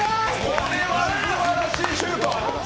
これはすばらしいシュート。